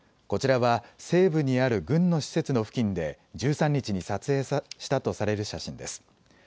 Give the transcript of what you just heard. こちらは西部にある軍の施設の付近で１３日に撮影したとされる写真です。